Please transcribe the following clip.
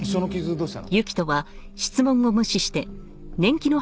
どうした？